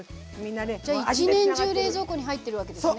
じゃあ一年中冷蔵庫に入ってるわけですね。